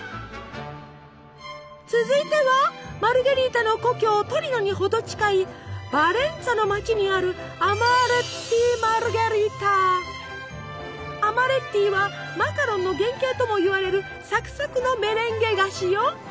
続いてはマルゲリータの故郷トリノに程近いヴァレンツァの町にあるアマレッティはマカロンの原型ともいわれるサクサクのメレンゲ菓子よ。